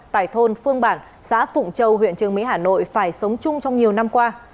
tại thôn phương bản xã phụng châu huyện trường mỹ hà nội phải sống chung trong nhiều năm qua